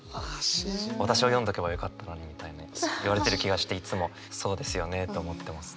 「私を読んどけばよかったのに」みたいに言われてる気がしていつもそうですよねと思ってます。